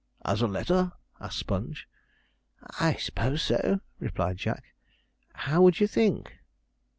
'As a letter?' asked Sponge. 'I 'spose so,' replied Jack; 'how would you think?'